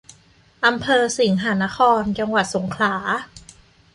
อำเภอสิงหนคร จังหวัดสงขลา